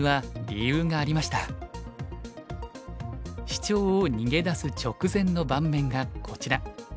シチョウを逃げ出す直前の盤面がこちら。